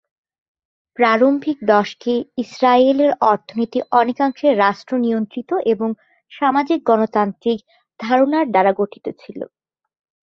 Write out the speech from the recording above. প্রারম্ভিক দশকে ইসরায়েলের অর্থনীতি অনেকাংশে রাষ্ট্র-নিয়ন্ত্রিত এবং সামাজিক গণতান্ত্রিক ধারণার দ্বারা গঠিত ছিল।